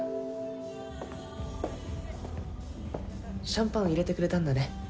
シャンパン入れてくれたんだね